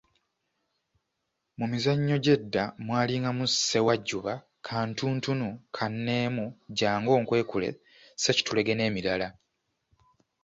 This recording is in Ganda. Mu mizannyo gyedda mwalingamu; ssewajjuba, kantuntunu, kanneemu, jangu onkwekule, ssekitulege n'emirala.